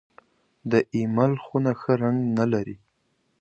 د اېمل خونه ښه رنګ نه لري .